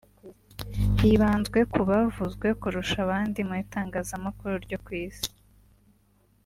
hibanzwe ku bavuzwe kurusha abandi mu itangazamakuru ryo ku isi